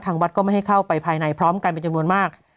วัดก็ไม่ให้เข้าไปภายในพร้อมกันเป็นจำนวนมาก